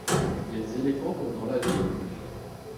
les éléphants courent dans la jungle